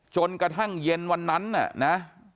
จนกระทั่งเย็นวันนั้นน่ะนะ